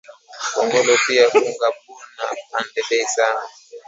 Kongolo pia bunga buna panda bei sana